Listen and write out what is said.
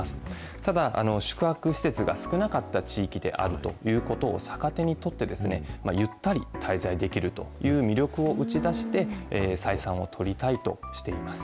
ただ、宿泊施設が少なかった地域であるということを逆手に取ってですね、ゆったり滞在できるという魅力を打ち出して、採算を取りたいとしています。